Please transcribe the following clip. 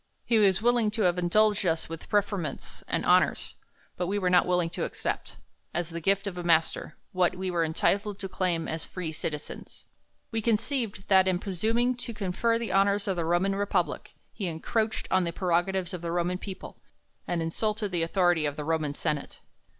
He was willing to have indulged us with preferments and honours ; but, ^ we were not willing to accept, as the gift of a master, ' what we were entitled to claim as free citizens. We conceived, that, in presuming to confer the honors of the Roman Republic, he encroached on the prerogatives of the Roman people, and insulted the authority of the Roman senate.